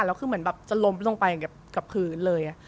แล้วคือเหมือนแบบจะล้มลงไปกับพื้นเลย